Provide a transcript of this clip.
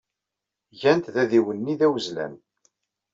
Gant d adiwenni d awezlan.